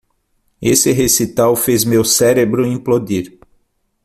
Esse recital fez meu cérebro implodir.